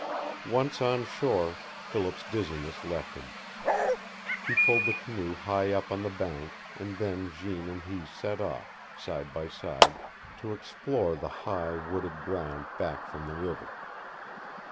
Once on shore, Philip's dizziness left him. He pulled the canoe high up on the bank, and then Jeanne and he set off, side by side, to explore the high, wooded ground back from the river.